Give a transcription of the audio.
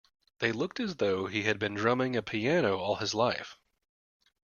They look as though he had been drumming a piano all his life.